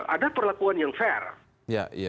ada perlakuan yang fair